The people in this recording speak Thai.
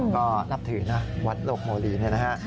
ก็รับถือนะวัดหลกโมลีนะ